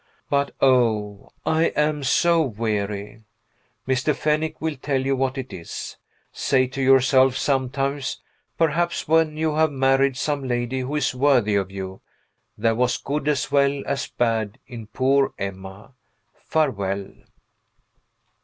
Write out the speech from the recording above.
But, oh, I am so weary! Mr. Fennick will tell you what it is. Say to yourself sometimes perhaps when you have married some lady who is worthy of you There was good as well as bad in poor Emma. Farewell.